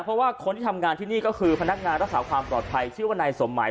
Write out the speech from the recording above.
เพราะว่าคนที่ทำงานที่นี่ก็คือพนักงานรักษาความปลอดภัยชื่อว่านายสมหมาย